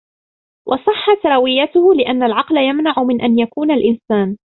وَصَحَّتْ رَوِيَّتُهُ لِأَنَّ الْعَقْلَ يَمْنَعُ مِنْ أَنْ يَكُونَ الْإِنْسَانُ